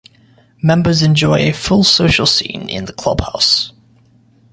Members enjoy a full social scene in the clubhouse.